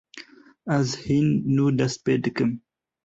Ez hîn nû dest pê dikim.